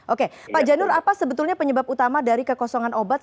oke pak janur apa sebetulnya penyebab utama dari kekosongan obat